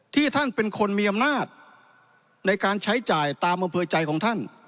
ท่านเป็นคนมีอำนาจในการใช้จ่ายตามอำเภอใจของท่าน